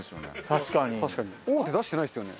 確かに大手出してないですよね。